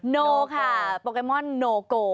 โนค่ะโปเกมอนโนโก